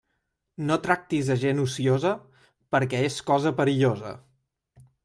No tractis a gent ociosa, perquè és cosa perillosa.